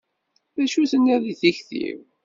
D acu tenniḍ deg tikti-w?